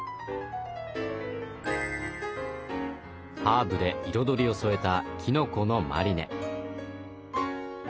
ハーブで彩りを添えたきのこのマリネ。